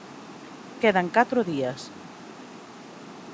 Quedan catro días.